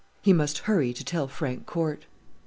He must hurry to tell Frank Corte!